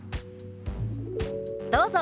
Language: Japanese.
どうぞ。